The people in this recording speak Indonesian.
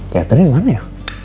katerin dimana ya